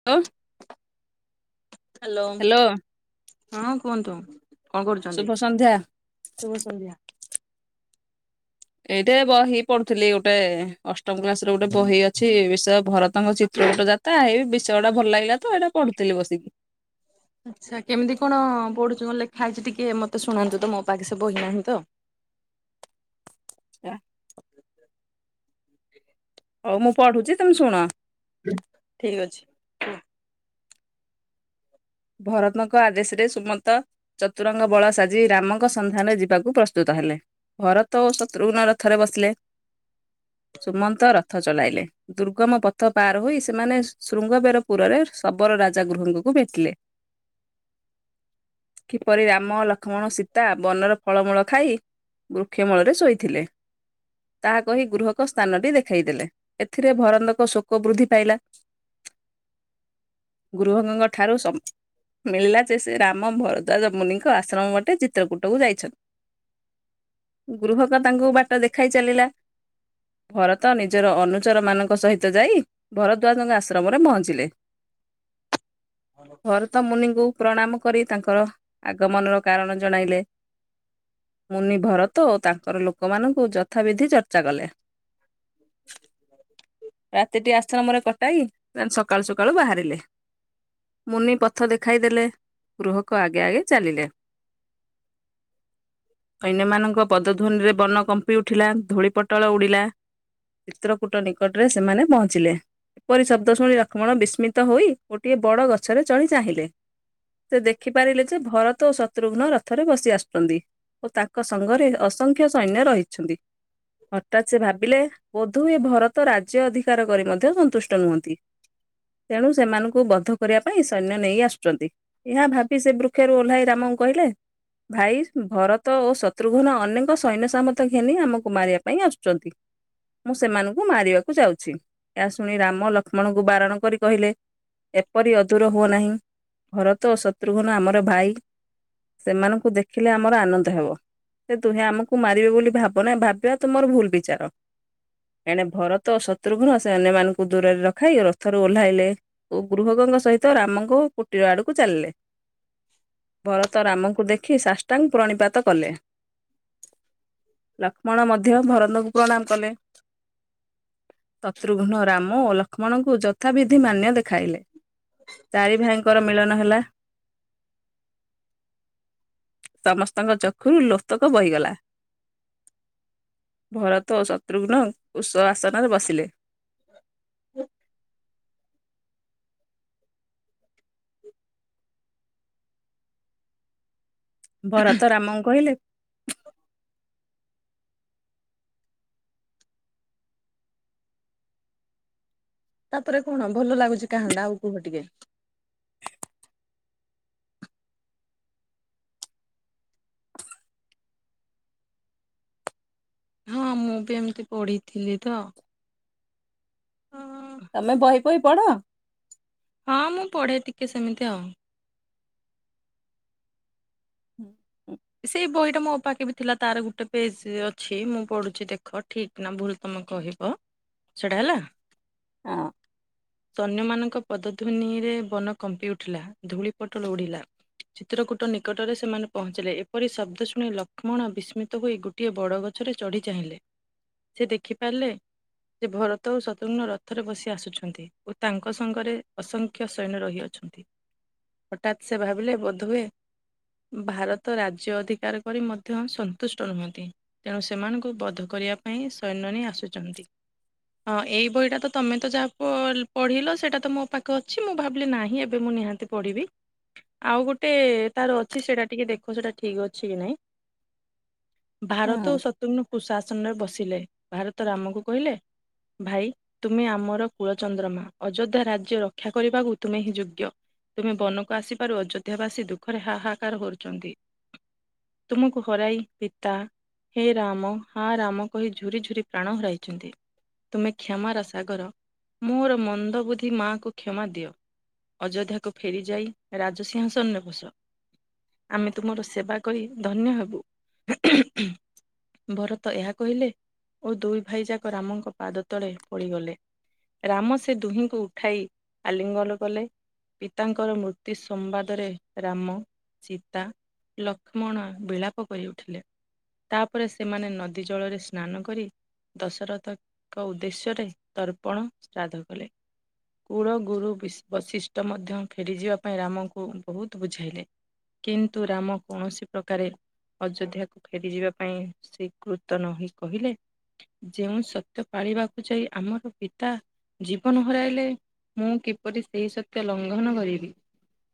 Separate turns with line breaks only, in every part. [unintelligible]
Hello. ହଁ କୁହନ୍ତୁ? କଣ କରୁଚନ୍ତି?
ଶୁଭ ସନ୍ଧ୍ୟା
ଶୁଭ ସନ୍ଧ୍ୟା।
ଏଇଟେ ବହି ପଢୁଥିଲି ଗୋଟେ ଅଷ୍ଟମ କ୍ଲାସ୍ ର ଗୋଟେ ବହି ଅଛି ବିଷୟ ଭରତଙ୍କ ଚିତ୍ର ଗଟ ଯା ତା ହେଇ ବିଷୟଟା ଭଲ ଲାଗିଲା ତ ଏଇଟା ପଢୁଥିଲି ବସିକି।
ଆଚ୍ଛା କେମିତି କଣ ପଢୁଛି କଣ ଲେଖା ହେଇଛି ଟିକେ ମତେ ଶୁଣନ୍ତୁ ତ ମୋ ପାଖେ ସେ ବହିନାହିଁ ତ।
ଆ
[inaudible]
ହଉ ମୁଁ ପଢୁଛି ତମେ ଶୁଣ?
ଠିକ୍ ଅଛି। କୁହ
ଭରତଙ୍କ ଆଦେଶରେ ସୁମନ୍ତ ଚତୁରଙ୍ଗ ବଳ ସାଜି ଆଜି ରାମଙ୍କ ସନ୍ଧାନରେ ଯିବାକୁ ପ୍ରସ୍ତୁତ ହେଲେ ଭରତ ଓ ଶତ୍ରୁଘ୍ନ ରଥରେ ବସିଲେ। ସୁମନ୍ତ ରଥ ଚଲାଇଲେ। ଦୁର୍ଗମ ପଥ ପାର ହୋଇ ସେମାନେ ଶୃଙ୍ଗବେର ପୁରରେ ଶବର ରାଜା ଗୃହକୁ ଭେଟିଲେ। କିପରି ରାମ ଲକ୍ଷ୍ମଣ ସୀତା ବନର ଫଳମୂଳ ଖାଇ। ବୃକ୍ଷ ମୂଳରେ ଶୋଇଥିଲେ। ତାହା କହି ଗୃହକ ସ୍ଥାନଟି ଦେଖେଇଦେଲେ ଏଥିରେ ଭରନ୍ଦକ ଶୋକ ବୃଦ୍ଧି ପାଇଲା। ଗୁରୁବଙ୍ଗଙ୍କ ଠାରୁ ସବୁ ମିଳିଲା ଯେ ସେ ରାମ ଭରଦ୍ୱାଜମୁନିଙ୍କ ଆଶ୍ରମ ବାଟେ ଚିତ୍ରକୂଟକୁ ଯାଇଛନ୍ତି। ଗୃହକ ତାଙ୍କୁ ବାଟ ଦେଖାଇ ଚାଲିଲା। ଭରତ ନିଜର ଅନୁଚର ମାନଙ୍କ ସହିତ ଯାଇ ଭରଦାଜଙ୍କ ଆଶ୍ରମରେ ପହଞ୍ଚିଲେ।
ହାଲୋ
ଭରତ ମୁନିଙ୍କୁ ପ୍ରଣାମ କରି ତାଙ୍କର ଆଗମନର କାରଣ ଜଣାଇଲେ। ମୁନି ଭରତ ଓ ତାଙ୍କର ଲୋକମାନଙ୍କୁ ଯଥାବିଧି ଚର୍ଚ୍ଚା କଲେ। ରାତିଟି ଆଶ୍ର ମୋର କଟାଇ। ସେମାନେ ସକାଳୁ ସକାଳୁ ବାହାରିଲେ। ମୁନି ପଥ ଦେଖାଇଦେଲେ ଗୃହକୁ ଆଗେ ଆଗେ ଚାଲିଲେ। [inaudible] ଅନ୍ୟମାନଙ୍କ ପଦଧ୍ୱନିରେ ବନ କମ୍ପି ଉଠିଲା ଧୂଳିପଟଳ ଉଡ଼ିଲା ଚିତ୍ରକୂଟ ନିକଟରେ ସେମାନେ ପହଞ୍ଚିଲେ ପରି ଶବ୍ଦ ଶୁଣି ଲକ୍ଷ୍ମଣ ବିସ୍ମିତ ହୋଇ ଗୋଟିଏ ବଡ ଗ ଛରେ ଚଳି ଚାହିଁଲେ ସେ ଦେଖିପାରିଲେ ଯେ ଭର ତ ଶତ୍ରୁଘ୍ନ ରଥରେ ବସି ଆସୁଛନ୍ତି ଓ ତାଙ୍କ ସଙ୍ଗରେ ଅସଂଖ୍ୟ ସୈନ୍ୟ ରହିଛନ୍ତି ହଠାତ୍ ସେ ଭାବିଲେ ବୋଧୁ ଏ ଭରତ ରାଜ୍ୟ ଅଧିକାର କରି ମଧ୍ୟ ସନ୍ତୁଷ୍ଟ ନୁହନ୍ତି ତେଣୁ ସେମାନଙ୍କୁ ବଧ କରିବା ପାଇଁ ସୈନ୍ୟ ନେଇ ଆସୁଛନ୍ତି ଏହା ଭାବି ସେ ବୃକ୍ଷରୁ ଓହ୍ଲାଇ ରାମଙ୍କୁ କହିଲେ ଭାଇ ଭରତ ଓ ଶତ୍ରୁଘ୍ନ ଅନେକ ସୈନ୍ୟ ସାମର୍ଥ ଘେନି ଆମକୁ ମାରିବା ପାଇଁ ଆସୁଛନ୍ତି ମୁଁ ସେମାନଙ୍କୁ ମାରିବାକୁ ଯାଉଛି ଏହା ଶୁଣି ରାମ ଲକ୍ଷ୍ମଣଙ୍କୁ ବାରଣ କରି କହିଲେ ପରି ଅଧୂର ହୁଅ ନାହିଁ ଘର ତ ଶତ୍ରୁଘ୍ନ ଆମର ଭାଇ ସେମାନଙ୍କୁ ଦେଖିଲେ ଆମର ଆନନ୍ଦ ହେବ ସେ ଦୁହେଁ ଆମକୁ ମାରିବେ ବୋଲି ଭାବନା ଭାବିବା ତୁମର ଭୁଲ ବିଚାର ଏଣେ ଭରତ ଶତ୍ରୁଘ୍ନ ସେ ଅନ୍ୟମାନଙ୍କୁ ଦୂରରେ ରଖାଇ ରଥରୁ ଓହ୍ଲାଇଲେ ଗୁରୁଭଗ ଙ୍କ ସହିତ ରାମଙ୍କ କୁଟୀର ଆଡକୁ ଚାଲିଲେ ଭର ତ ରାମଙ୍କୁ ଦେଖି ସାଷ୍ଟାଙ୍ଗ ପ୍ରଣିପାତ କଲେ ଲକ୍ଷ୍ମଣ ମଧ୍ୟ ମଧ୍ୟ ଭରନକୁ ପ୍ରଣାମ କଲେ ଶତ୍ରୁଘ୍ନ ରାମ ଓ ଲକ୍ଷ୍ମଣଙ୍କୁ ଯଥା ବିିଧି ମାନ୍ୟ ଦେଖାଇଲେ ତାରି ଭାଇ ଙ୍କର ମିଳନ ହେଲା ସମସ୍ତଙ୍କ ଚକ୍ଷୁରୁ ଲୋତକ ବହିଗଲା ଭରତ ଓ ଶତ୍ରୁଘ୍ନ ଉଷ ଆସନରେ ବସିଲେ
[unintelligible]
ଭରତ ରାମଙ୍କୁ କହିଲେ
ତାପରେ କଣ ଭଲ ଲାଗୁଛି କାହାଣିଟା ଆଉ କୁହ ଟିକେ। ହଁ ମୁଁ ବି ଏମିତି ପଢିଥିଲି ତ। ହଁ।
ତମେ ବହି ପହି ପଢ?
ହଁ ମୁଁ ପଢେ ଟିକେ ସେମିତି ଆଉ।
ହୁଁ।
ସେଇ ବହି ଟା ମୋ ପାଖେ ବି ଥିଲା ତାର ଗୋଟେ ପେଜ ଅଛି ମୁଁ ପଢୁଛି ଦେଖ ଠିକ ନା ଭୁଲ ତମେ କହିବ ସେଇଟା ହେଲା।
ହଁ।
ସୈନ୍ୟମାନଙ୍କ ପଦଧ୍ୱନିରେ ବନ କମ୍ପି ଉଠିଲା ଧୂଳି ପୋଟଳ ଉଡ଼ିଲା। ଚିତ୍ରକୂଟ ନିକଟରେ ସେମାନେ ପହଞ୍ଚିଲେ। ଏପ ପରି ଶବ୍ଦ ଶୁଣି ଲକ୍ଷ୍ମଣ ବିସ୍ମିତ ହୋଇ ଗୋଟିଏ ବଡ଼ ଗଛରେ ଚଢ଼ି ଚାହିଁଲେ। ସେ ଦେଖି ପାରିଲେ ଯେ ଭରତ ଓ ଶତ୍ରୁଘ୍ନ ରଥରେ ବସି ଆସୁଛନ୍ତି ଓ ତାଙ୍କ ସଙ୍ଗରେ ଅସଂଖ୍ୟ ସୈନ୍ୟ ରହିଅଛନ୍ତି। ହଠାତ୍ ସେ ଭାବିଲେ ବୋଧହୁଏ ଭାରତ ରାଜ୍ ସ୍ବ ଅଧିକାର କରି ମଧ୍ୟ ସନ୍ତୁଷ୍ଟ ନୁହନ୍ତି। ତେଣୁ ସେମାନଙ୍କୁ ବଧ କରିବା ପାଇଁ ସୈନ୍ୟନୀ ଆସୁଛନ୍ତି। ହଁ ଏଇ ବହିଟା ତ ତମେ ତ ଯାହା ପ ପଢିଲ ସେଇଟା ତ ମୋ ପାଖରେ ଅଛି ମୁଁ ଭାବିଲି ନାହିଁ ଏବେ ମୁଁ ନିହାତି ପଢିବି ଆଉ ଗୋଟେ ତାର ଅଛି ସେଇଟା ଟିକେ ଦେଖ ସେଟା ଠିକ ଅଛି କି ନାଇଁ?
ହଁ।
ଭାରତ ଶ ତୁମନୁ କୁଶାସନରେ ବସିଲେ ଭାରତ ରାମକୁ କହିଲେ ଭାଇ ତୁମେ ଆମର କୁଳ ଚନ୍ଦ୍ରମା ଅଯୋଧ୍ୟା ରାଜ୍ୟ ରକ୍ଷା କରିବାକୁ ତୁମେ ହିଁ ଯୋଗ୍ୟ। ତୁମେ ବନକୁ ଆସିବାରୁ ଅଯୋଧ୍ୟା ବାସୀ ଦୁଃଖରେ ହାହାକାର କରୁଛନ୍ତି। ତୁମକୁ ହରାଇ ପିତା ହେ ରାମ ହା ରାମ କହି ଝୁରି ଝୁରି ପ୍ରାଣ ହରାଇଛନ୍ତି। ତୁମେ କ୍ଷମାର ସାଗର ମୋର ମନ୍ଦବୁଦ୍ଧି ମାଆଙ୍କୁ କ୍ଷମା ଦିଅ। ଅଯୋଧ୍ୟାକୁୁ ଫେରି ଯାଇ ରାଜସିିଂହାସନରେ ବସ ଆମେ ତୁମର ସେବା କରି ଧନ୍ୟ ହେବୁ। ଭରତ ଏହା କହିଲେ ଓ ଦୁଇ ଭାଇଯାକ ରାମଙ୍କ ପାଦ ତଳେ ପଡିଗଲେ। ରାମ ସେ ଦୁହିଁଙ୍କୁ ଉଠାଇ ଆଲିଙ୍ଗନ କଲେ। ପିତାଙ୍କର ମୃତ୍ୟୁ ସମ୍ବାଦରେ ରାମ, ସୀତା ଲକ୍ଷ୍ମଣ ବିଳାପ କରି ଉଠିଲେ। ତାପରେ ସେମାନେ ନଦୀ ଜଳରେ ସ୍ନାନ କରି ଦଶରଥଙ୍କ ଉଦ୍ଦେଶ୍ୟରେ ତର୍ପଣ ଶ୍ରାଦ୍ଧ କଲେ। କୂଳ ଗୁରୁ ବିଶ ବଶିଷ୍ଠ ମଧ୍ୟ ଫେରିଯିବା ଯିବା ପାଇଁ ରାମଙ୍କୁ ବହୁତ ବୁଝାଇଲେ। କିନ୍ତୁ ରାମ କୌଣସି ପ୍ରକାରେ ଅଯୋଧ୍ୟାକୁ ଫେରିଯିବା ପାଇଁ ସ୍ବୀକୃତ ନ ହୋଇ କହିଲେ ଯେଉଁ ସତ୍ୟ ପାଳିବାକୁ ଯାଇ ଆମର ପିତା ଜୀବନ ହରାଇଲେ ମୁଁ କିପରି ସେହି ସତ୍ୟ ଲଙ୍ଘନ କରିବି।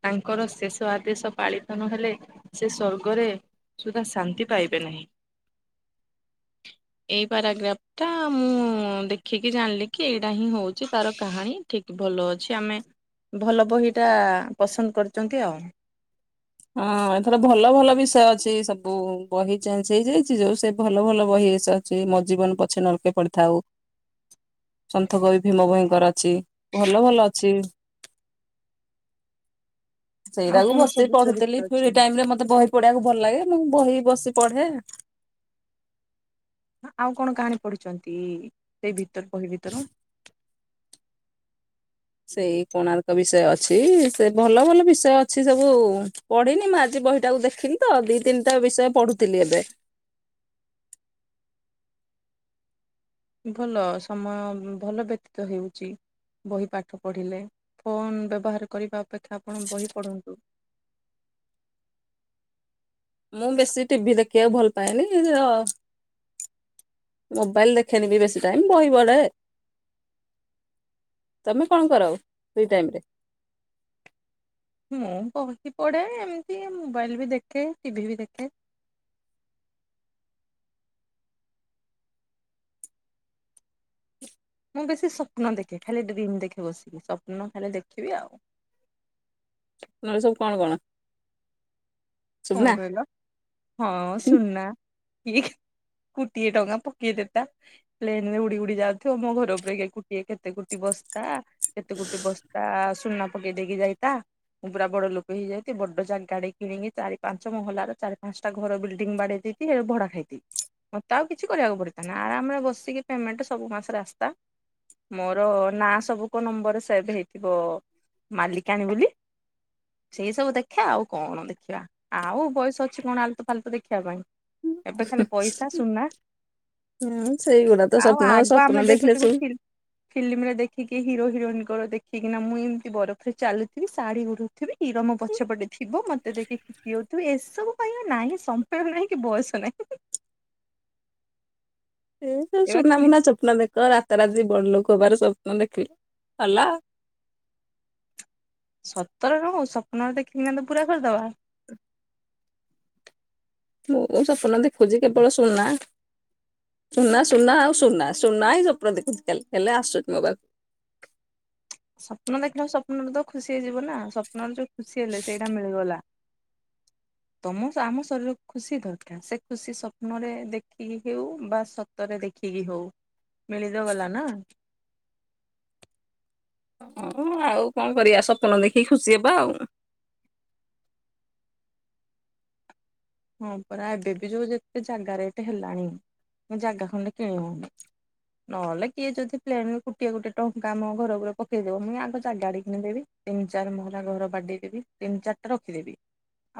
ତାଙ୍କର ଶେଷ ଆଦେଶ ପାଳିତ ନ ହେଲେ ସେ ସ୍ଵର୍ଗରେ ସୁଧା ଶାନ୍ତି ପାଇବେ ନାହିଁ। ଏଇ ପାରାଗ୍ରାଫ ଟା ମୁଁ ଦେଖିକି ଜାଣିଲି କି ଏଇଟା ହିଁ ହେଉଛି ତାର କାହାଣୀ। ଠିକ ଭଲ ଅଛି ଭଲ ବହିଟା ପସନ୍ଦ କରିଛନ୍ତି ଆଉ।
ହଁ ଏଥର ଭଲ ଭଲ ବିଷୟ ଅଛି ସବୁ ବହି ଚେଞ୍ଜ ହେଇଯାଇଛି ଯୋଉ ସେ ଭଲ ଭଲ ବହି ଏସ ଛି ମୋ ଜୀବନ ପଛେ ନର୍କେ ପଡିଥାଉ। ସନ୍ଥ କବି ଭୀମ ଭଇଙ୍କର ଅଛି ଭଲ ଭଲ ଅଛି। [inaudible]
ଆଉ
ସେଇଟାକୁ
କଣ
ବସିକି
ସବୁ ଚରିତ୍ର
ପଢୁଥିଲି
ଅଛି
ଫ୍ରି ଟାଇମ ରେ ମତେ ବହି ପଢିବାକୁ ଭଲ ଲାଗେ ମୁଁ ବହି ବସି ପଢେ।
ଆଉ କଣ କାହାଣୀ ପଢିଛନ୍ତି ସେଇ ଭି ବହି ଭିତରୁ?
ସେଇ କୋଣାର୍କ ବିଷୟ ଅଛି ସେ ଭଲ ଭଲ ବିଷୟ ଅଛି ସବୁ। ପଢିନି ମୁଁ ଆଜି ବହିଟାକୁ ଦେଖିଲି ତ ଦି ତିନିଟା ବିଷୟ ପଢୁଥିଲି ଏବେ।
ଭଲ ସମୟ ଭଲ ବ୍ୟତୀତ ହେଉଛି। ବହି ପାଠ ପଢ଼ିଲେ ଫୋନ ବ୍ୟବହାର କରିବା ଅପେକ୍ଷା ଆପଣ ବହି ପଢ଼ନ୍ତୁ।
ମୁଁ ବେଶୀ ଟିଭି ଦେଖିବାକୁ ଭଲ ପାଏନି ଅ ମୋବାଇଲି ଦେଖେନି ବି ବେଶି ଟାଇମ ବହି ପଢେ ତମେ କଣ କର ଫ୍ରି ଟାଇମି ରେ?
ମୁଁ ବହି ପଢେ ଏମିତି ମୋବାଇଲି ବି ଦେଖେ ଟିଭି ବି ଦେଖେ। ମୁଁ ବେଶୀ ସ୍ଵପ୍ନ ଦେଖେ ଖାଲି ଡ୍ରିମ୍ ଦେଖେ ବସିକି ସପ୍ନ ଖାଲି ଦେଖିବି ଆଉ।
ନହେଲେ ସବୁ କଣ କଣ?
କଣ
ସୁନା?
କହିଲ ହଁ ସୁନା ଠିକ୍ କୋଟିଏ ଟଙ୍କା ପକେଇ ଦେତା [unintelligible] ପ୍ଲେନ ରେ ଉଡି ଉଡି ଯାଉଥିବ ମୋ ଘର ଉପରେ କୋଟିଏ କେତେ କୋଟି ବସ୍ତା। କେତେ ଗୋଟେ ବସ୍ତା ସୁନା ପକେଇ ଦେଇକି ଯାଇତା। ପୁରା ବଡ ଲୋକ ହେଇଯାଇଚି ବଡ ଜାଗାଡେ କିଣିକି ଚାରି ପାଞ୍ଚ ମହଲାର ଚାରି ପାଞ୍ଚଟା ଘର ବିଲଡିଙ୍ଗ ବାଡେଇ ଦେଇ ଭଡା ଖାଇତି। ମୋତେ ଆଉ କିଛି କରିବାକୁ ପଡିତା ନା ଆରାମରେ ବସିକି ପେମେଣ୍ଟ ସବୁ ମାସରେ ଆସତା ମୋର ନାଁ ସବୁକ ନମ୍ବର ସେଭ ହେଇଥିବ ମାଲିକାଣୀ ବୋଲି। ସେଇ ସବୁ ଦେଖିବା ଆଉ କଣ ଦେଖିବା ଆଉ ବୟସ ଅଛି କଣ ଆଲତୁ ଫାଲତୁ ଦେଖିବା ପାଇଁ। ଏବେ ଖାଲି ପଇସା ସୁନା।
ହୁଁ ସେଇଗୁଡା ତ
ଆଉ
ସ୍ୱପ୍ନ
ଆଗ
ସ୍ୱପ୍ନ
ଆମେ
ଦେଖିଲେ
ଦେଖୁଥିବୁ
ସବୁ
ଫ ଫିଲ୍ମ ରେ ଦେଖିକି ହିରୋ ହିରୋଇନଙ୍କର ଦେଖିକିନା ମୁଁ ଏମିତି ବରଫରେ ଚାଲୁଥିବି ଶାଢୀ ଗୁରୁ ହିରୋ ମୋ ପଛପଟେ ଥିବ ମୋତେ ଦେଖି ଯେଉଥି ଏସବୁ ପାଇ ନାହିଁ ସମୟ ନାହିଁ କି ବୟସ ନାହିଁ।
ଏ ସବୁ
ଏବା
ସୁନା
ଖାଲି
ମୁୁନା ସ୍ୱପ୍ନ ଦେଖ ରାତାରାତି ବଡ଼ ଲୋକ ହବାର ସ୍ୱପ୍ନ ଦେଖିଲେ ହେଲା।
ସତରେ ନ ହୋଉ ସପ୍ନରେ ଦେଖିଲି ନା ତ ପୁରା କରିଦବ।
ମୁଁ ସପନ ଦେଖୁଛି କେବଳ ସୁନା। ସୁନା ସୁନା ଆଉ ସୁନା ସୁନା ହିଁ ସ୍ବପ୍ନ ଦେଖୁଛି ଖାଲି ହେଲେ ଆସୁନି ମୋ ପା
ସ୍ୱପ୍ନ ଦେଖିଲେ ସ୍ୱପ୍ନରେ ତ ଖୁସି ହେଇଯିବ ନା ସ୍ୱପ୍ନରେ ଯୋଉ ଖୁସି ହେଲେ ସେଇଟା ମିଳିଗଲା। ତମ ଆମ ଶରୀରକୁ ଖୁସି ଦରକାର ସେ ଖୁସି ସ୍ୱପ୍ନରେ ଦେଖିକି ହେଉ ବା ସ ତରେ ଦେଖିକି ହଉ ମିଳି ତ ଗଲା ନା।
ହଁ ଆଉ କଣ କରିବା ସ୍ୱପ୍ନ ଦେଖିକି ଖୁସି ହେବା ଆଉ।
ହଁ ପରା ଏବେ ବି ଯୋଉ ଯେତେ ଜାଗା ରେଟ ହେଲାଣି ଜାଗା ଖଣ୍ଡେ କିଣିହଉନି। ନହେଲେ କିଏ ଯଦି ପ୍ଲେନରୁ ଗୋଟିଏ ଗୋଟିଏ ଟଙ୍କା ଆମ ଘର ଉପରେ ପକେଇଦବ ମୁଁ ଆଗ ଜାଗା ଆଡ କିଣିଦେବି। ତିନି ଚାରି ମହଲା ଘର ବାଡେଇଦେବି ତିନି ଚାରଟା ରଖିଦେବି।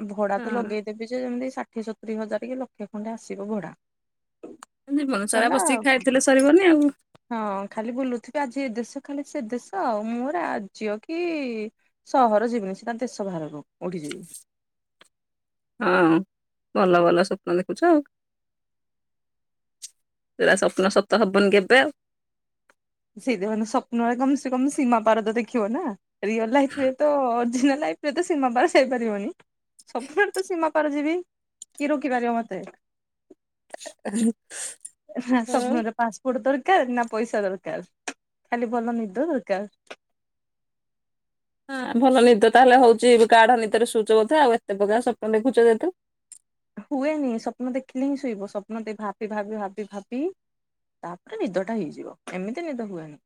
ଆଉ ଭଡା ତ
ହଁ
ଲଗେଇଦେବି ଯେ ଯେମିତି ଷାଠିଏ ସତୁରି ହଜାର କି ଲକ୍ଷେ ଖଣ୍ଡେ ଆସିବ ଭଡା।
ଜୀବନ ସାରା
ସରିଲା ଆଉ
ବସିକି ଖାଇଥିଲେ ସରିବନି ଆଉ।
ହଁ ଖାଲି ବୁଲୁଥିବେ ଆଜି ଏ ଦେଶ ଖାଲି ସେ ଦେଶ ଆଉ ମୋ ରାଜ୍ୟ କି ସହର ଯିବିନି ସିଧା ଦେଶ ବାହାରକୁ ଉଡିଯିବି।
ହଁ ଭଲ ଭଲ ସ୍ୱପ୍ନ ଦେଖୁଚ ଆଉ। ସେରା ସ୍ୱପ୍ନ ସତ ହବନି କେବେ ଆଉ।
ଶୀଧେମାନ ସ୍ୱପ୍ନରେ କମ୍ ସେ କମ୍ ସୀମା ପାରଦ ଦେଖିବ ନା ରିଅଲ ଲାଇଫରେ ତ ଅରିଜିନାଲ ଲାଇଫ। ଏ ତ ସୀମା ପାସ୍ ହେଇପାରିବନି ସ୍ବପ୍ନରେ ତ ସୀମା ପାର ଯିବି କି ରୋକିପାରିବ ମତେ।
[inaudible]
ହେଁ ସ୍ୱପ୍ନରେ ପାସପୋର୍ଟ ଦରକାର ନା ପଇସା ଦରକାର୍ ଖାଲି ଭଲ ନିଦ ଦରକାର୍।
ହଁ ଭଲ ନିଦ ତାହେଲେ ହଉଚି କାଢ ନିଦରେ ଶୋଉଚ ବୋଧେ ଆଉ ଏତେ ପ୍ରକାର ସ୍ବପ୍ନ ଦେଖୁଛ ଯେହେତୁ।
ହୁଏନି ସ୍ୱପ୍ନ ଦେଖିଲେ ହିଁ ଶୋଇବ ସ୍ୱପ୍ନ ଦେଇ ଭାବି ଭାବି ଭାବି ଭାବି ତାପରେ ନିଦ ଟା ହେଇଯିବ ଏମିତି ନିଦ ହୁଏନି।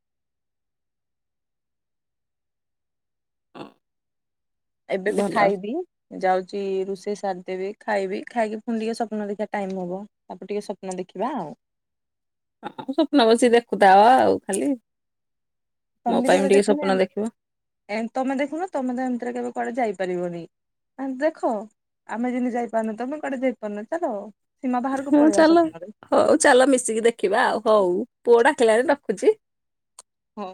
ଏବେ ବି
ଭଲ
ଖାଇବି। ଯାଉଚି ରୋଷେଇ ସାରିଦେବି ଖାଇବି ଖାଇକି ପୁଣି ଟିକେ ସ୍ୱପ୍ନ ଦେଖିବା ଟାଇମ୍ ହବ। ତାପରେ ଟିକେ ସ୍ୱପ୍ନ ଦେଖିବା ଆଉ।
ହଁ ସ୍ୱପ୍ନ ବସି ଦେଖୁଥା ଅ ଖାଲି ମୋ ପାଇଁ ବି ଟିକେ ସ୍ୱପ୍ନ ଦେଖିବ।
ଏଁ ତମେ ଦେଖୁନ ତମେ ତ ଏମିତିରେ କେବେ କୁଆଡେ ଯାଇପାରିବନି। ଆଁ ଦେଖ ଆମେ ଯେମିତି ଯାଇପାରୁନୁ ତମେ କୁଆଡେ ଯାଇପାରୁନ ଚାଲ। ସୀମା ବାହାରକୁ ପଳେଇବା ସ୍ୱପ୍ନରେ।
ହୋଉ ଚାଲ ମିଶିକି ଦେଖିବା ଆଉ ହୋଉ ପୁଅ ଡାକିଲାଣି ରଖୁଚି?
ହୋଉ।